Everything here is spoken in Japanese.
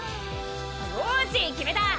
よし決めた！